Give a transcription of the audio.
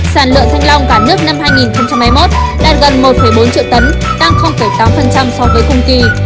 sản lượng thanh long cả nước năm hai nghìn hai mươi một đạt gần một bốn triệu tấn tăng tám so với cùng kỳ